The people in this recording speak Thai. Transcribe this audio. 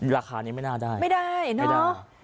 ราคานี้ไม่น่าได้ไม่ได้นะไม่ได้